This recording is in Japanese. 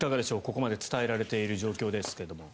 ここまで伝えられている状況ですが。